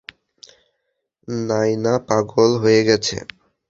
নায়না পাগল হয়ে গেছে?